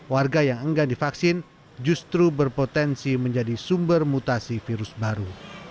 warga yang enggan divaksin justru berpotensi menjadi sumber mutasi virus baru